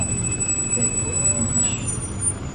দেখো, তুমি হাসছো।